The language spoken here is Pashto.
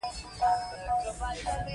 زمونږ ټولنه ډيره منفی فکره ټولنه ده.